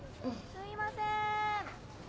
・すいません。